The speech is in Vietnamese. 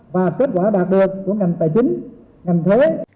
và kết quả đạt được của ngành tài chính ngành thuế